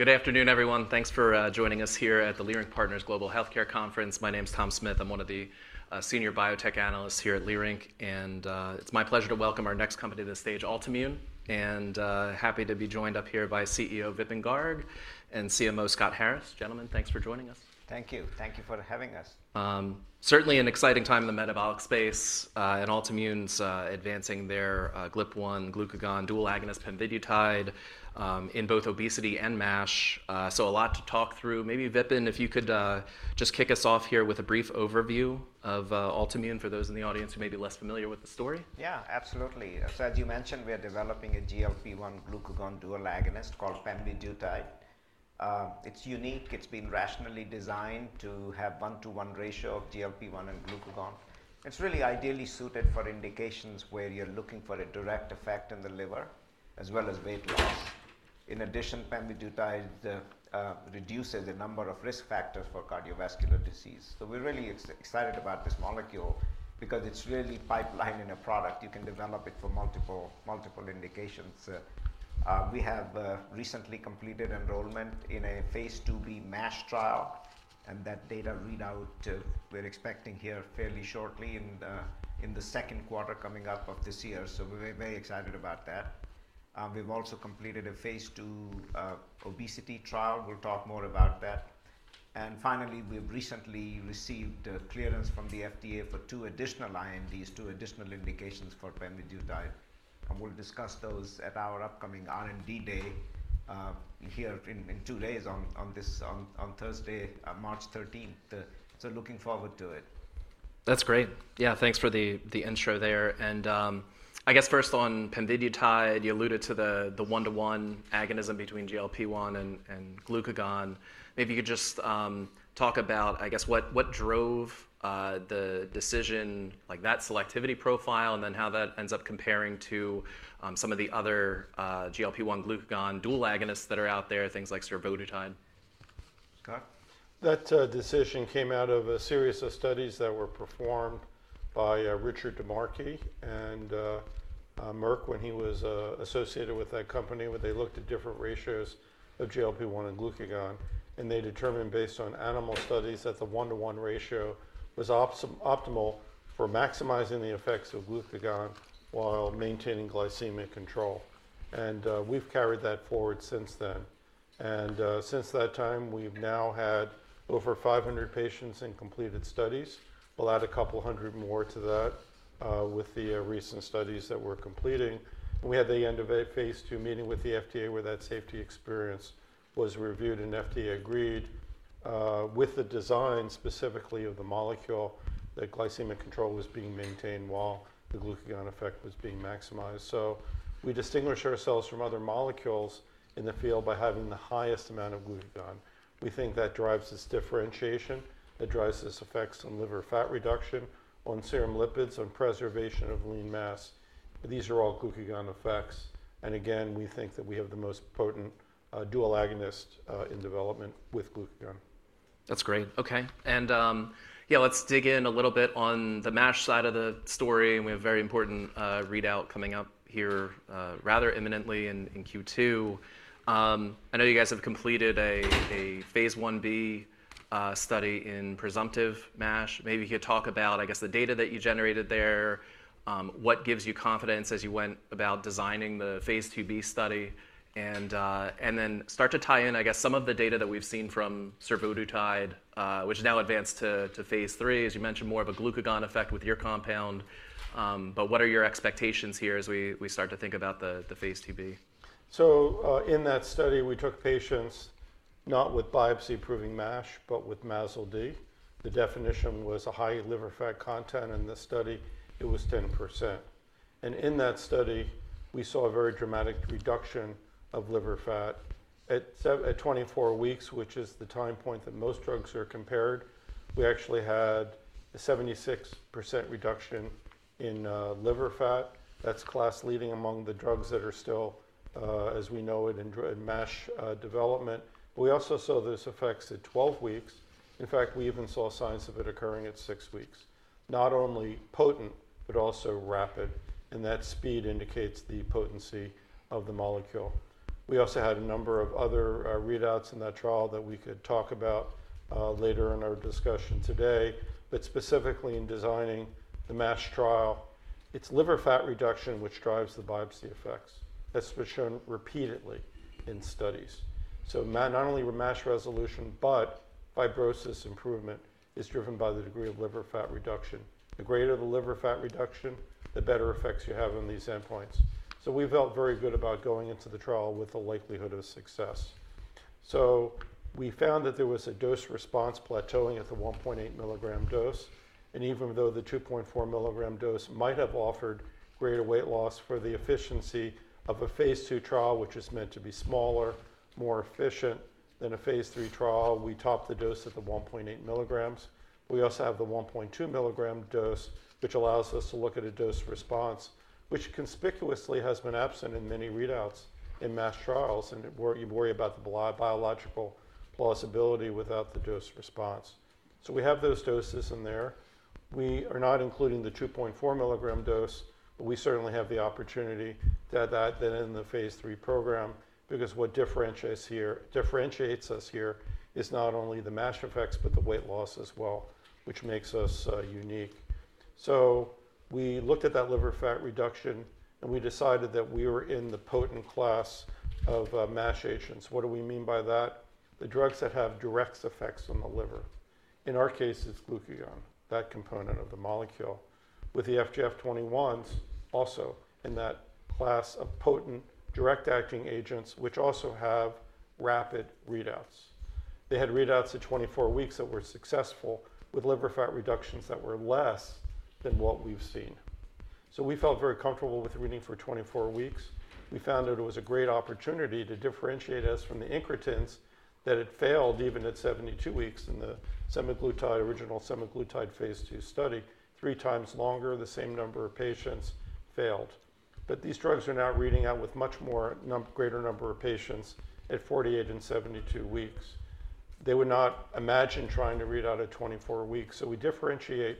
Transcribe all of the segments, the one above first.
All right. Good afternoon, everyone. Thanks for joining us here at the Leerink Partners Global Healthcare Conference. My name is Tom Smith. I'm one of the Senior Biotech Analysts here at Leerink. It's my pleasure to welcome our next company to the stage, Altimmune. Happy to be joined up here by CEO Vipin Garg and CMO Scott Harris. Gentlemen, thanks for joining us. Thank you. Thank you for having us. Certainly an exciting time in the metabolic space. Altimmune's advancing their GLP-1 glucagon dual agonist Pemvidutide in both obesity and MASH. A lot to talk through. Maybe Vipin, if you could just kick us off here with a brief overview of Altimmune for those in the audience who may be less familiar with the story. Yeah, absolutely. As you mentioned, we are developing a GLP-1/glucagon dual agonist called Pemvidutide. It's unique. It's been rationally designed to have a one-to-one ratio of GLP-1 and glucagon. It's really ideally suited for indications where you're looking for a direct effect in the liver, as well as weight loss. In addition, Pemvidutide reduces the number of risk factors for cardiovascular disease. We are really excited about this molecule because it's really pipeline in a product. You can develop it for multiple indications. We have recently completed enrollment in a phase II-B MASH trial. That data readout we're expecting here fairly shortly in the second quarter coming up of this year. We are very excited about that. We've also completed a phase II obesity trial. We'll talk more about that. Finally, we've recently received clearance from the FDA for two additional INDs, two additional indications for Pemvidutide. We will discuss those at our upcoming R&D Day here in two days on Thursday, March 13. Looking forward to it. That's great. Yeah, thanks for the intro there. I guess first on Pemvidutide, you alluded to the one-to-one agonism between GLP-1 and glucagon. Maybe you could just talk about, I guess, what drove the decision, like that selectivity profile, and then how that ends up comparing to some of the other GLP-1 glucagon dual agonists that are out there, things like Survodutide? Scott? That decision came out of a series of studies that were performed by Richard DiMarchi and Merck when he was associated with that company. They looked at different ratios of GLP-1 and glucagon. They determined based on animal studies that the one-to-one ratio was optimal for maximizing the effects of glucagon while maintaining glycemic control. We've carried that forward since then. Since that time, we've now had over 500 patients in completed studies. We'll add a couple hundred more to that with the recent studies that we're completing. We had the end of a phase II meeting with the FDA where that safety experience was reviewed and FDA agreed with the design specifically of the molecule that glycemic control was being maintained while the glucagon effect was being maximized. We distinguish ourselves from other molecules in the field by having the highest amount of glucagon. We think that drives this differentiation. It drives this effect on liver fat reduction, on serum lipids, on preservation of lean mass. These are all glucagon effects. Again, we think that we have the most potent dual agonist in development with glucagon. That's great. OK. Yeah, let's dig in a little bit on the MASH side of the story. We have a very important readout coming up here rather imminently in Q2. I know you guys have completed a phase I-B study in presumptive MASH. Maybe you could talk about, I guess, the data that you generated there, what gives you confidence as you went about designing the phase II-B study. Then start to tie in, I guess, some of the data that we've seen from Survodutide, which now advanced to phase III, as you mentioned, more of a glucagon effect with your compound. What are your expectations here as we start to think about the phase II-B? In that study, we took patients not with biopsy-proven MASH, but with MASLD. The definition was a high liver fat content. In this study, it was 10%. In that study, we saw a very dramatic reduction of liver fat at 24 weeks, which is the time point that most drugs are compared. We actually had a 76% reduction in liver fat. That's class-leading among the drugs that are still, as we know it, in MASH development. We also saw those effects at 12 weeks. In fact, we even saw signs of it occurring at six weeks. Not only potent, but also rapid. That speed indicates the potency of the molecule. We also had a number of other readouts in that trial that we could talk about later in our discussion today. Specifically in designing the MASH trial, it's liver fat reduction which drives the biopsy effects. That's been shown repeatedly in studies. Not only MASH resolution, but fibrosis improvement is driven by the degree of liver fat reduction. The greater the liver fat reduction, the better effects you have on these endpoints. We felt very good about going into the trial with a likelihood of success. We found that there was a dose-response plateauing at the 1.8 mg dose. Even though the 2.4 mg dose might have offered greater weight loss, for the efficiency of a phase II trial, which is meant to be smaller, more efficient than a phase III trial, we topped the dose at the 1.8 mg. We also have the 1.2 mg dose, which allows us to look at a dose-response, which conspicuously has been absent in many readouts in MASH trials. You worry about the biological plausibility without the dose-response. We have those doses in there. We are not including the 2.4 mg dose, but we certainly have the opportunity to add that in the phase III program because what differentiates us here is not only the MASH effects, but the weight loss as well, which makes us unique. We looked at that liver fat reduction, and we decided that we were in the potent class of MASH agents. What do we mean by that? The drugs that have direct effects on the liver. In our case, it's glucagon, that component of the molecule, with the FGF21s also in that class of potent direct-acting agents, which also have rapid readouts. They had readouts at 24 weeks that were successful with liver fat reductions that were less than what we've seen. We felt very comfortable with reading for 24 weeks. We found that it was a great opportunity to differentiate us from the incretins that had failed even at 72 weeks in the Semaglutide, original Semaglutide phase II study. Three times longer, the same number of patients failed. These drugs are now reading out with a much greater number of patients at 48 and 72 weeks. They would not imagine trying to read out at 24 weeks. We differentiate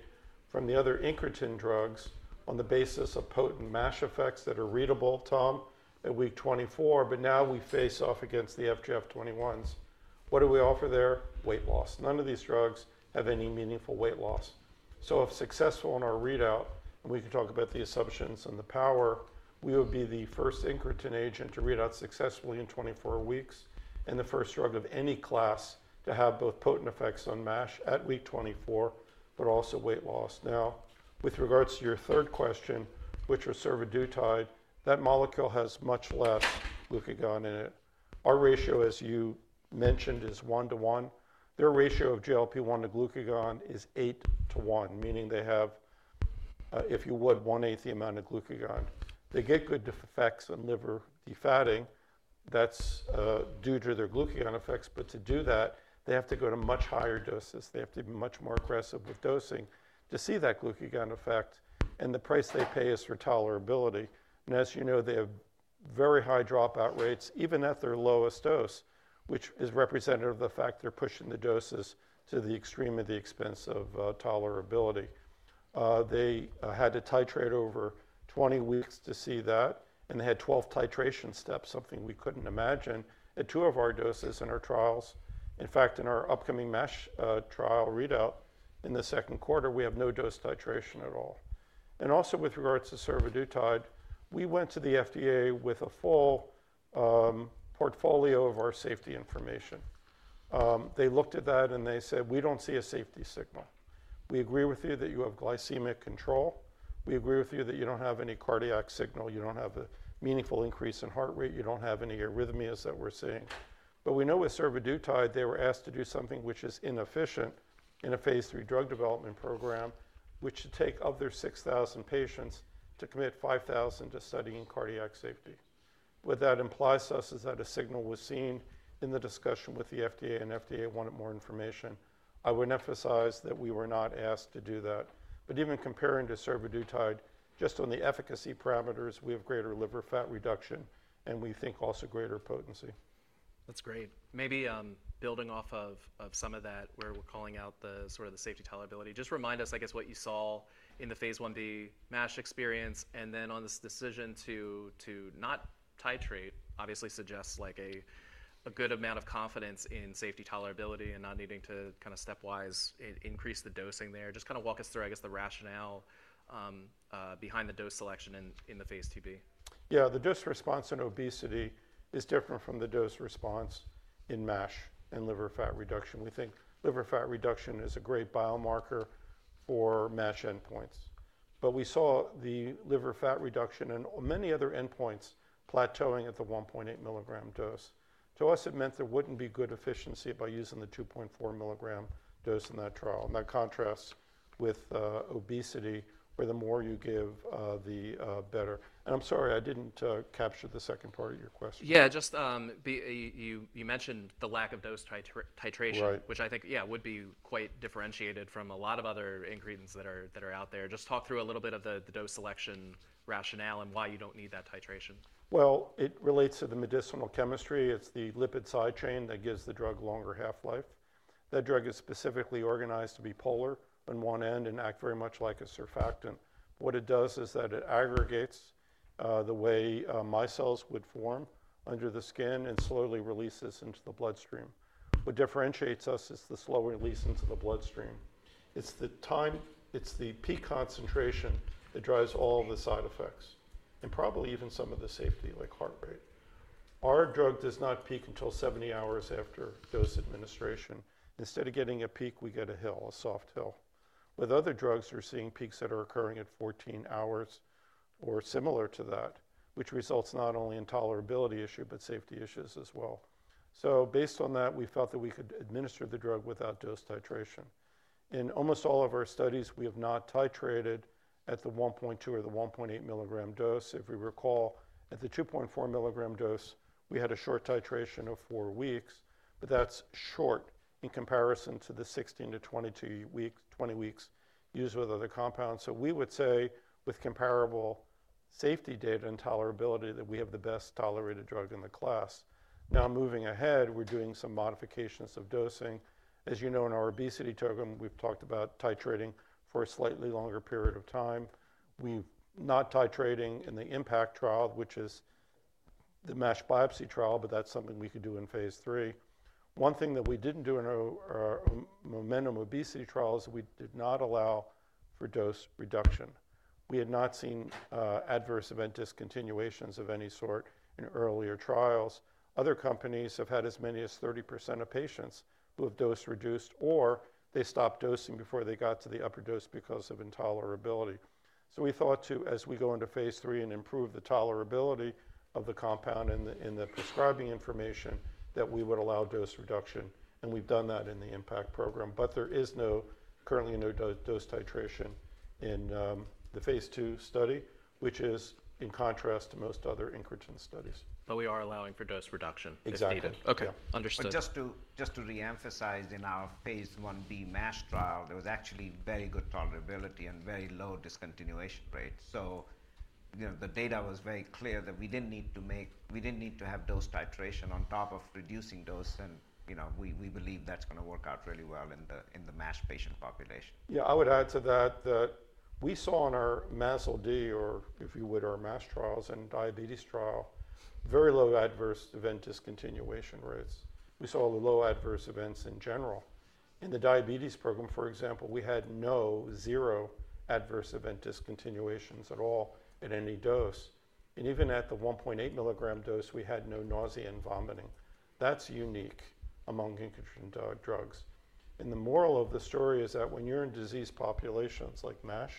from the other incretin drugs on the basis of potent MASH effects that are readable, Tom, at week 24. Now we face off against the FGF21s. What do we offer there? Weight loss. None of these drugs have any meaningful weight loss. If successful in our readout, and we can talk about the assumptions and the power, we would be the first incretin agent to read out successfully in 24 weeks, and the first drug of any class to have both potent effects on MASH at week 24, but also weight loss. Now, with regards to your third question, which was Survodutide, that molecule has much less glucagon in it. Our ratio, as you mentioned, is one-to-one. Their ratio of GLP-1 to glucagon is eight to one, meaning they have, if you would, one-eighth the amount of glucagon. They get good effects on liver defatting. That is due to their glucagon effects. To do that, they have to go to much higher doses. They have to be much more aggressive with dosing to see that glucagon effect. The price they pay is for tolerability. As you know, they have very high dropout rates, even at their lowest dose, which is representative of the fact they're pushing the doses to the extreme at the expense of tolerability. They had to titrate over 20 weeks to see that. They had 12 titration steps, something we couldn't imagine at two of our doses in our trials. In fact, in our upcoming MASH trial readout in the second quarter, we have no dose titration at all. Also, with regards to Survodutide, we went to the FDA with a full portfolio of our safety information. They looked at that, and they said, we don't see a safety signal. We agree with you that you have glycemic control. We agree with you that you don't have any cardiac signal. You don't have a meaningful increase in heart rate. You don't have any arrhythmias that we're seeing. We know with Survodutide, they were asked to do something which is inefficient in a phase III drug development program, which should take their 6,000 patients to commit 5,000 to studying cardiac safety. What that implies to us is that a signal was seen in the discussion with the FDA, and FDA wanted more information. I would emphasize that we were not asked to do that. Even comparing to Survodutide, just on the efficacy parameters, we have greater liver fat reduction, and we think also greater potency. That's great. Maybe building off of some of that, where we're calling out the sort of the safety tolerability, just remind us, I guess, what you saw in the phase I-B MASH experience. Then on this decision to not titrate, obviously suggests like a good amount of confidence in safety tolerability and not needing to kind of stepwise increase the dosing there. Just kind of walk us through, I guess, the rationale behind the dose selection in the phase II-B. Yeah, the dose-response in obesity is different from the dose-response in MASH and liver fat reduction. We think liver fat reduction is a great biomarker for MASH endpoints. We saw the liver fat reduction and many other endpoints plateauing at the 1.8 mg dose. To us, it meant there wouldn't be good efficiency by using the 2.4 mg dose in that trial. That contrasts with obesity, where the more you give, the better. I'm sorry, I didn't capture the second part of your question. Yeah, just you mentioned the lack of dose titration, which I think, yeah, would be quite differentiated from a lot of other incretins that are out there. Just talk through a little bit of the dose selection rationale and why you don't need that titration. It relates to the medicinal chemistry. It's the lipid side chain that gives the drug longer half-life. That drug is specifically organized to be polar on one end and act very much like a surfactant. What it does is that it aggregates the way micelles would form under the skin and slowly releases into the bloodstream. What differentiates us is the slow release into the bloodstream. It's the time, it's the peak concentration that drives all the side effects and probably even some of the safety, like heart rate. Our drug does not peak until 70 hours after dose administration. Instead of getting a peak, we get a hill, a soft hill. With other drugs, we're seeing peaks that are occurring at 14 hours or similar to that, which results not only in tolerability issues, but safety issues as well. Based on that, we felt that we could administer the drug without dose titration. In almost all of our studies, we have not titrated at the 1.2 or the 1.8 mg dose. If we recall, at the 2.4 mg dose, we had a short titration of four weeks. That is short in comparison to the 16-20 weeks used with other compounds. We would say, with comparable safety data and tolerability, that we have the best tolerated drug in the class. Now, moving ahead, we're doing some modifications of dosing. As you know, in our obesity program, we've talked about titrating for a slightly longer period of time. We're not titrating in the IMPACT trial, which is the MASH biopsy trial, but that is something we could do in phase III. One thing that we didn't do in our MOMENTUM obesity trial is we did not allow for dose reduction. We had not seen adverse event discontinuations of any sort in earlier trials. Other companies have had as many as 30% of patients who have dose reduced, or they stopped dosing before they got to the upper dose because of intolerability. We thought to, as we go into phase III and improve the tolerability of the compound in the Prescribing Information, that we would allow dose reduction. We have done that in the IMPACT program. There is currently no dose titration in the phase II study, which is in contrast to most other incretin studies. We are allowing for dose reduction if needed. Exactly. OK, understood. Just to reemphasize, in our phase I-B MASH trial, there was actually very good tolerability and very low discontinuation rates. The data was very clear that we did not need to have dose titration on top of reducing dose. We believe that is going to work out really well in the MASH patient population. Yeah, I would add to that that we saw in our MASLD, or if you would, our MASH trials and diabetes trial, very low adverse event discontinuation rates. We saw low adverse events in general. In the diabetes program, for example, we had no zero adverse event discontinuations at all at any dose. Even at the 1.8 mg dose, we had no nausea and vomiting. That's unique among incretin drugs. The moral of the story is that when you're in disease populations like MASH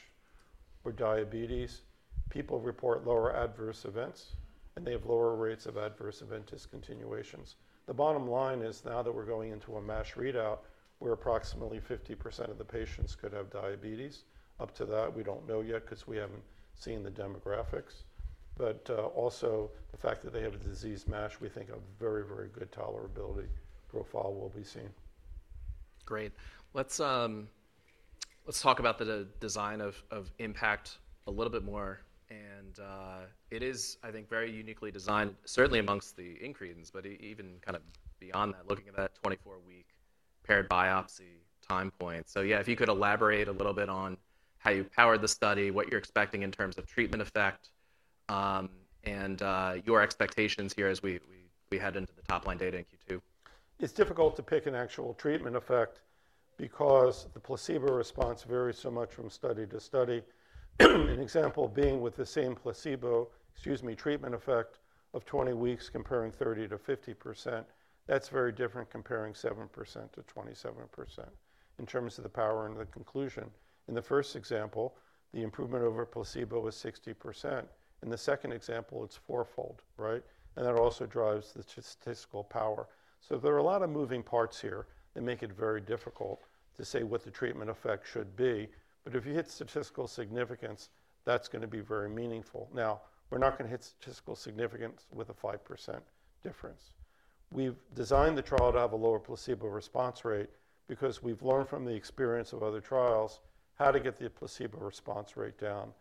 or diabetes, people report lower adverse events, and they have lower rates of adverse event discontinuations. The bottom line is now that we're going into a MASH readout, where approximately 50% of the patients could have diabetes. Up to that, we don't know yet because we haven't seen the demographics. Also, the fact that they have a disease MASH, we think a very, very good tolerability profile will be seen. Great. Let's talk about the design of IMPACT a little bit more. It is, I think, very uniquely designed, certainly amongst the incretins, but even kind of beyond that, looking at that 24-week paired biopsy time point. If you could elaborate a little bit on how you powered the study, what you're expecting in terms of treatment effect, and your expectations here as we head into the top line data in Q2. It's difficult to pick an actual treatment effect because the placebo response varies so much from study to study. An example being with the same placebo, excuse me, treatment effect of 20 weeks comparing 30%-50%. That's very different comparing 7%-27% in terms of the power and the conclusion. In the first example, the improvement over placebo is 60%. In the second example, it's four-fold, right? That also drives the statistical power. There are a lot of moving parts here that make it very difficult to say what the treatment effect should be. If you hit statistical significance, that's going to be very meaningful. Now, we're not going to hit statistical significance with a 5% difference. We've designed the trial to have a lower placebo response rate because we've learned from the experience of other trials how to get the placebo response rate down.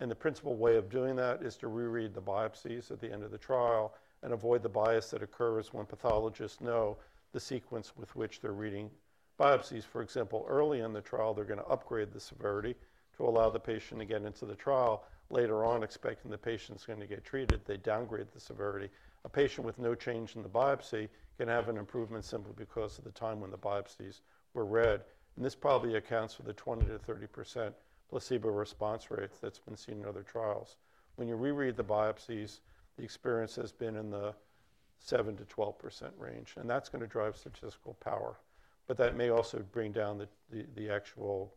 The principal way of doing that is to reread the biopsies at the end of the trial and avoid the bias that occurs when pathologists know the sequence with which they're reading biopsies. For example, early in the trial, they're going to upgrade the severity to allow the patient to get into the trial. Later on, expecting the patient's going to get treated, they downgrade the severity. A patient with no change in the biopsy can have an improvement simply because of the time when the biopsies were read. This probably accounts for the 20%-30% placebo response rates that have been seen in other trials. When you reread the biopsies, the experience has been in the 7%-12% range. That's going to drive statistical power. That may also bring down the actual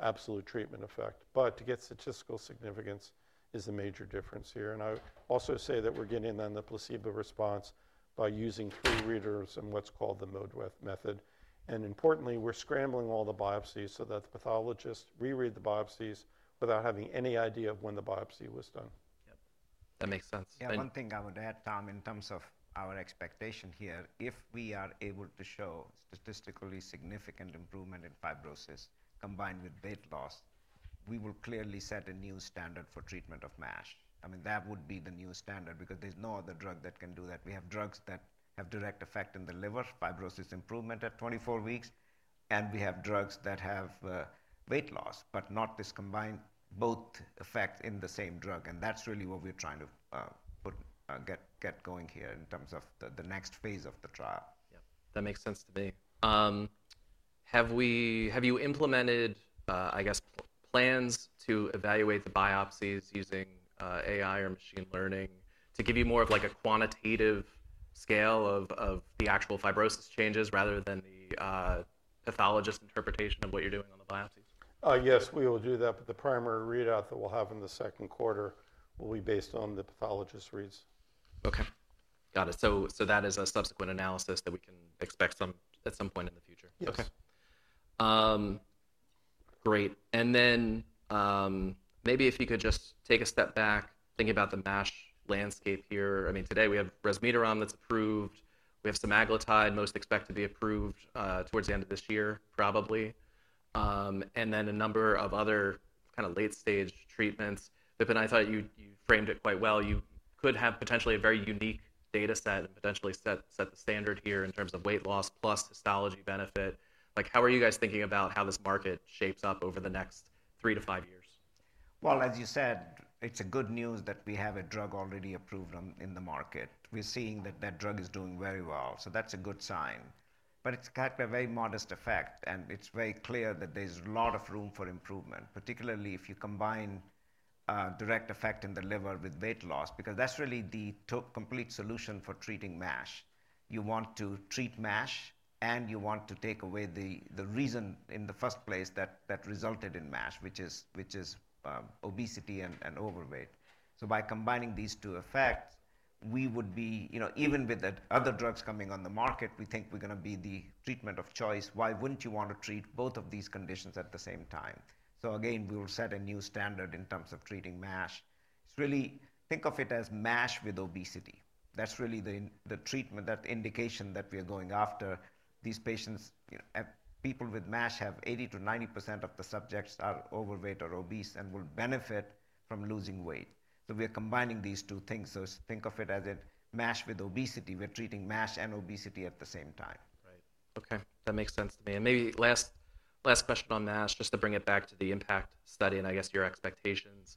absolute treatment effect. To get statistical significance is the major difference here. I also say that we're getting then the placebo response by using three readers and what's called the mode read method. Importantly, we're scrambling all the biopsies so that the pathologist rereads the biopsies without having any idea of when the biopsy was done. Yep, that makes sense. Yeah, one thing I would add, Tom, in terms of our expectation here, if we are able to show statistically significant improvement in fibrosis combined with weight loss, we will clearly set a new standard for treatment of MASH. I mean, that would be the new standard because there's no other drug that can do that. We have drugs that have direct effect in the liver, fibrosis improvement at 24 weeks. We have drugs that have weight loss, but not this combined both effects in the same drug. That is really what we're trying to get going here in terms of the next phase of the trial. Yep, that makes sense to me. Have you implemented, I guess, plans to evaluate the biopsies using AI or machine learning to give you more of like a quantitative scale of the actual fibrosis changes rather than the pathologist interpretation of what you're doing on the biopsies? Yes, we will do that. The primary readout that we'll have in the second quarter will be based on the pathologist's reads. OK, got it. So that is a subsequent analysis that we can expect at some point in the future? Yes. OK, great. Maybe if you could just take a step back, thinking about the MASH landscape here. I mean, today we have Resmetirom that's approved. We have Semaglutide most expected to be approved towards the end of this year, probably. And then a number of other kind of late-stage treatments. I thought you framed it quite well. You could have potentially a very unique data set and potentially set the standard here in terms of weight loss plus histology benefit. Like, how are you guys thinking about how this market shapes up over the next three to five years? As you said, it's good news that we have a drug already approved in the market. We're seeing that that drug is doing very well. That's a good sign. It's got a very modest effect. It's very clear that there's a lot of room for improvement, particularly if you combine direct effect in the liver with weight loss because that's really the complete solution for treating MASH. You want to treat MASH, and you want to take away the reason in the first place that resulted in MASH, which is obesity and overweight. By combining these two effects, we would be, you know, even with other drugs coming on the market, we think we're going to be the treatment of choice. Why wouldn't you want to treat both of these conditions at the same time? Again, we will set a new standard in terms of treating MASH. It's really, think of it as MASH with obesity. That's really the treatment, that indication that we are going after. These patients, people with MASH, 80%-90% of the subjects are overweight or obese and will benefit from losing weight. We are combining these two things. Think of it as MASH with obesity. We're treating MASH and obesity at the same time. Right, OK, that makes sense to me. Maybe last question on MASH, just to bring it back to the IMPACT study and I guess your expectations.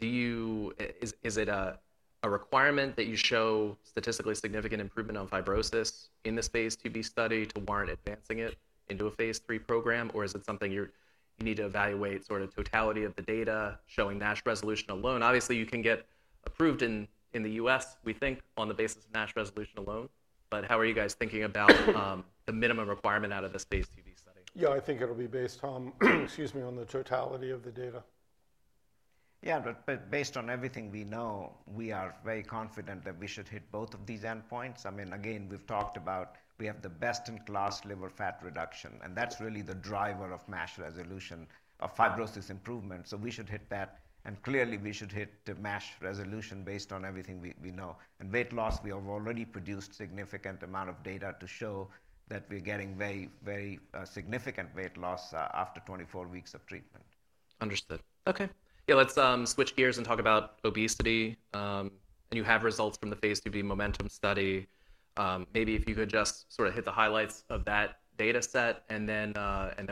Is it a requirement that you show statistically significant improvement on fibrosis in this phase II-B study to warrant advancing it into a phase III program? Is it something you need to evaluate sort of totality of the data showing MASH resolution alone? Obviously, you can get approved in the US, we think, on the basis of MASH resolution alone. How are you guys thinking about the minimum requirement out of this phase II-B study? Yeah, I think it'll be based, Tom, excuse me, on the totality of the data. Yeah, but based on everything we know, we are very confident that we should hit both of these endpoints. I mean, again, we've talked about we have the best-in-class liver fat reduction. That's really the driver of MASH resolution, of fibrosis improvement. We should hit that. Clearly, we should hit MASH resolution based on everything we know. Weight loss, we have already produced a significant amount of data to show that we're getting very, very significant weight loss after 24 weeks of treatment. Understood. OK, yeah, let's switch gears and talk about obesity. You have results from the phase II-B MOMENTUM study. Maybe if you could just sort of hit the highlights of that data set, and then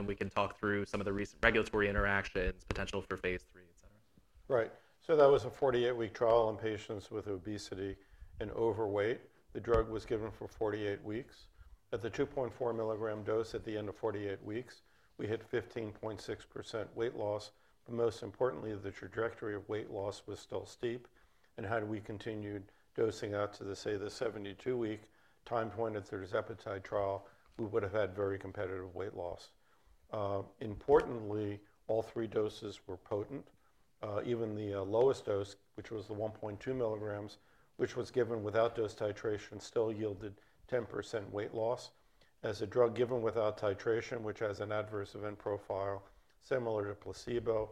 we can talk through some of the recent regulatory interactions, potential for phase III, et cetera. Right. That was a 48-week trial in patients with obesity and overweight. The drug was given for 48 weeks. At the 2.4 mg dose at the end of 48 weeks, we hit 15.6% weight loss. Most importantly, the trajectory of weight loss was still steep. Had we continued dosing out to, say, the 72-week time point at the Resmetirom trial, we would have had very competitive weight loss. Importantly, all three doses were potent. Even the lowest dose, which was the 1.2 mg, which was given without dose titration, still yielded 10% weight loss. As a drug given without titration, which has an adverse event profile similar to placebo,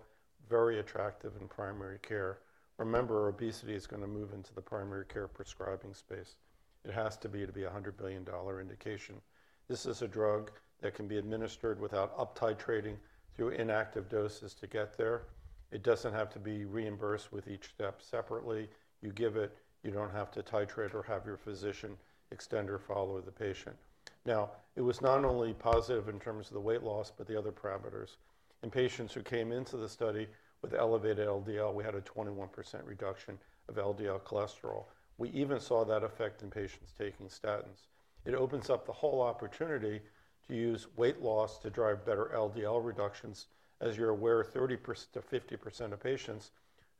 very attractive in primary care. Remember, obesity is going to move into the primary care prescribing space. It has to be to be a $100 billion indication. This is a drug that can be administered without up-titrating through inactive doses to get there. It does not have to be reimbursed with each step separately. You give it. You do not have to titrate or have your physician extend or follow the patient. Now, it was not only positive in terms of the weight loss, but the other parameters. In patients who came into the study with elevated LDL, we had a 21% reduction of LDL cholesterol. We even saw that effect in patients taking statins. It opens up the whole opportunity to use weight loss to drive better LDL reductions. As you are aware, 30%-50% of patients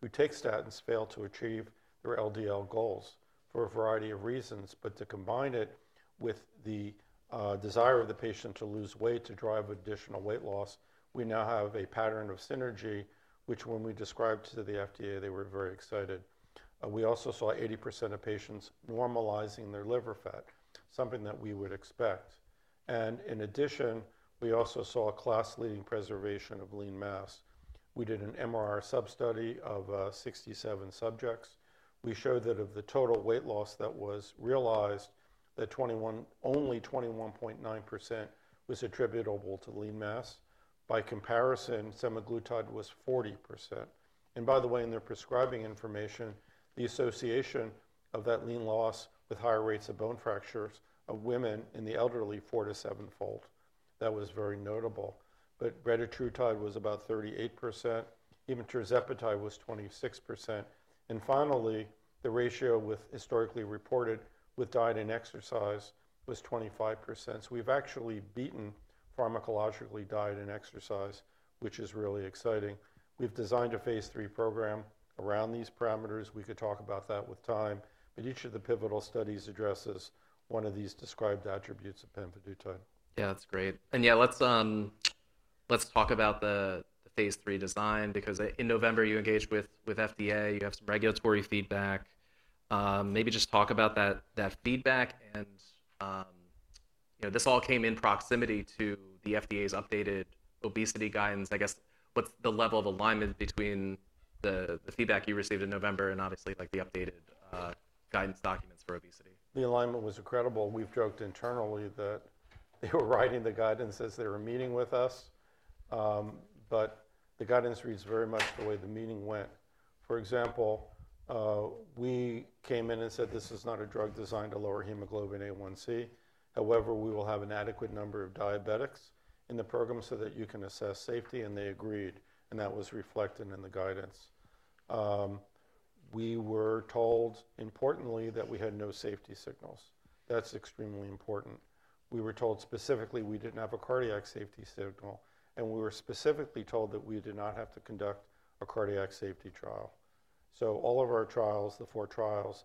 who take statins fail to achieve their LDL goals for a variety of reasons. To combine it with the desire of the patient to lose weight to drive additional weight loss, we now have a pattern of synergy, which when we described to the FDA, they were very excited. We also saw 80% of patients normalizing their liver fat, something that we would expect. In addition, we also saw class-leading preservation of lean mass. We did an MRI sub-study of 67 subjects. We showed that of the total weight loss that was realized, only 21.9% was attributable to lean mass. By comparison, Semaglutide was 40%. By the way, in their Prescribing information, the association of that lean loss with higher rates of bone fractures of women in the elderly is four to seven-fold. That was very notable. Survodutide was about 38%. Tirzepatide was 26%. Finally, the ratio historically reported with diet and exercise was 25%. We've actually beaten pharmacologically diet and exercise, which is really exciting. We've designed a phase III program around these parameters. We could talk about that with time. Each of the pivotal studies addresses one of these described attributes of Pemvidutide. Yeah, that's great. Yeah, let's talk about the phase III design because in November, you engaged with FDA. You have some regulatory feedback. Maybe just talk about that feedback. This all came in proximity to the FDA's updated obesity guidance. I guess, what's the level of alignment between the feedback you received in November and obviously the updated guidance documents for obesity? The alignment was incredible. We've joked internally that they were writing the guidance as they were meeting with us. The guidance reads very much the way the meeting went. For example, we came in and said, this is not a drug designed to lower hemoglobin A1C. However, we will have an adequate number of diabetics in the program so that you can assess safety. They agreed. That was reflected in the guidance. We were told, importantly, that we had no safety signals. That's extremely important. We were told specifically we didn't have a cardiac safety signal. We were specifically told that we did not have to conduct a cardiac safety trial. All of our trials, the four trials,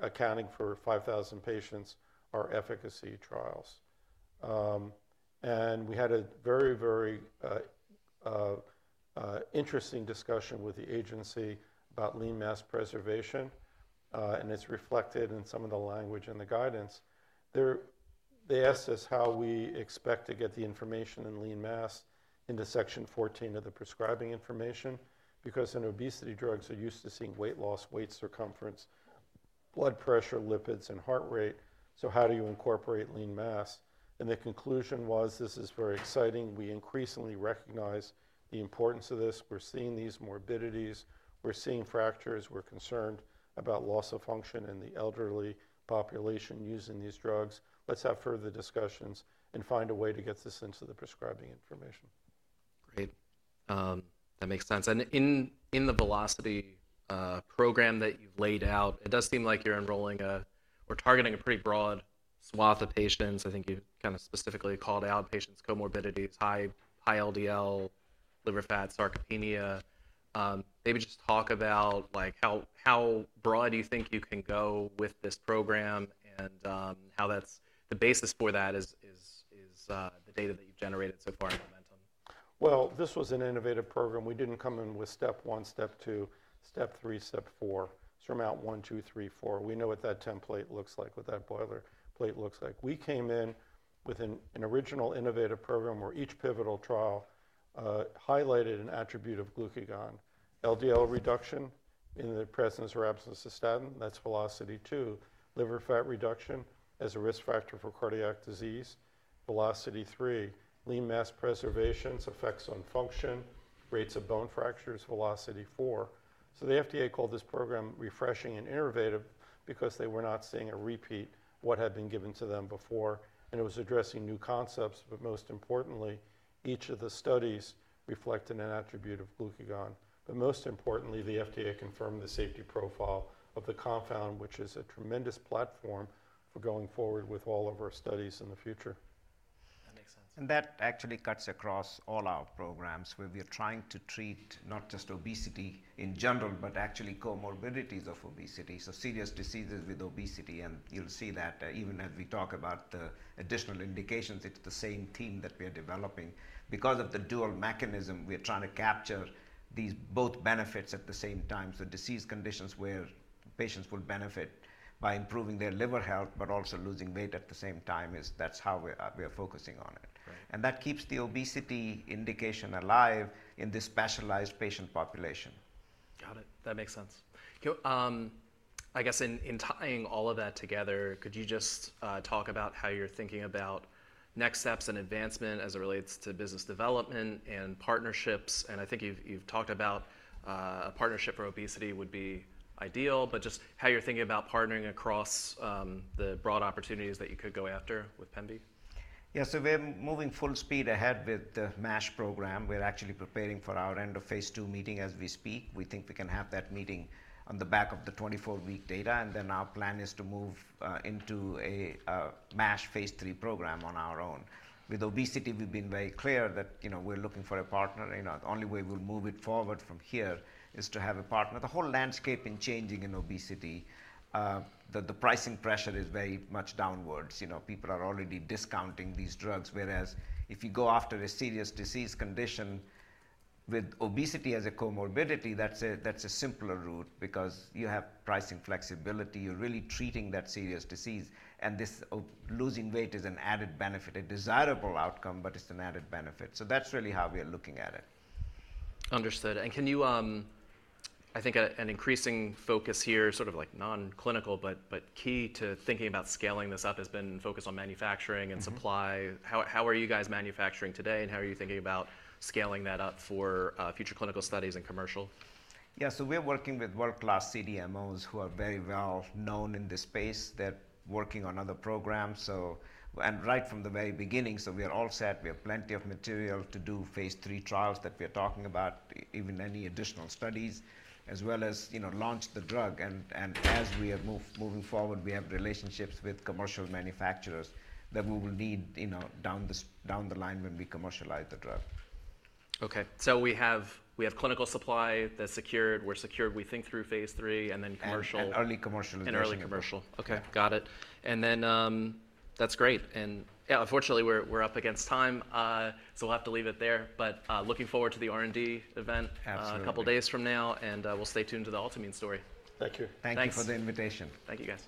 accounting for 5,000 patients, are efficacy trials. We had a very, very interesting discussion with the agency about lean mass preservation. It's reflected in some of the language in the guidance. They asked us how we expect to get the information in lean mass into Section 14 of the Prescribing Information because in obesity drugs, you're used to seeing weight loss, waist circumference, blood pressure, lipids, and heart rate. How do you incorporate lean mass? The conclusion was, this is very exciting. We increasingly recognize the importance of this. We're seeing these morbidities. We're seeing fractures. We're concerned about loss of function in the elderly population using these drugs. Let's have further discussions and find a way to get this into the Prescribing Information. Great, that makes sense. In the VELOCITY program that you've laid out, it does seem like you're enrolling or targeting a pretty broad swath of patients. I think you kind of specifically called out patients with comorbidities, high LDL, liver fat, sarcopenia. Maybe just talk about how broad do you think you can go with this program and how the basis for that is the data that you've generated so far in MOMENTUM? This was an innovative program. We didn't come in with STEP 1, STEP 2, STEP 3, STEP 4, SURMOUNT-1, two, three, four. We know what that template looks like, what that boilerplate looks like. We came in with an original innovative program where each pivotal trial highlighted an attribute of glucagon: LDL reduction in the presence or absence of statin. That's VELOCITY-2. Liver fat reduction as a risk factor for cardiac disease. VELOCITY-3, lean mass preservation's effects on function, rates of bone fractures. VELOCITY-4. The FDA called this program refreshing and innovative because they were not seeing a repeat of what had been given to them before. It was addressing new concepts. Most importantly, each of the studies reflected an attribute of glucagon. Most importantly, the FDA confirmed the safety profile of the compound, which is a tremendous platform for going forward with all of our studies in the future. That makes sense. That actually cuts across all our programs where we are trying to treat not just obesity in general, but actually comorbidities of obesity, so serious diseases with obesity. You'll see that even as we talk about the additional indications, it's the same theme that we are developing. Because of the dual mechanism, we are trying to capture these both benefits at the same time. Disease conditions where patients will benefit by improving their liver health, but also losing weight at the same time, that's how we are focusing on it. That keeps the obesity indication alive in this specialized patient population. Got it. That makes sense. I guess in tying all of that together, could you just talk about how you're thinking about next steps and advancement as it relates to business development and partnerships? I think you've talked about a partnership for obesity would be ideal. Just how you're thinking about partnering across the broad opportunities that you could go after with PEMVI? Yeah, we're moving full speed ahead with the MASH program. We're actually preparing for our end of phase II meeting as we speak. We think we can have that meeting on the back of the 24-week data. Our plan is to move into a MASH phase III program on our own. With obesity, we've been very clear that we're looking for a partner. The only way we'll move it forward from here is to have a partner. The whole landscape is changing in obesity. The pricing pressure is very much downwards. People are already discounting these drugs. Whereas if you go after a serious disease condition with obesity as a comorbidity, that's a simpler route because you have pricing flexibility. You're really treating that serious disease. Losing weight is an added benefit, a desirable outcome, but it's an added benefit. That's really how we are looking at it. Understood. Can you, I think an increasing focus here, sort of like non-clinical, but key to thinking about scaling this up, has been focus on manufacturing and supply. How are you guys manufacturing today? How are you thinking about scaling that up for future clinical studies and commercial? Yeah, we are working with world-class CDMOs who are very well known in the space. They're working on other programs. Right from the very beginning, we are all set. We have plenty of material to do phase III trials that we are talking about, even any additional studies, as well as launch the drug. As we are moving forward, we have relationships with commercial manufacturers that we will need down the line when we commercialize the drug. OK, we have clinical supply that's secured. We're secured, we think, through phase III. And then commercial. Early commercialization. Early commercial. OK, got it. That's great. Unfortunately, we're up against time. We'll have to leave it there. Looking forward to the R&D event a couple of days from now. We'll stay tuned to the Altimmune story. Thank you. Thanks for the invitation. Thank you, guys.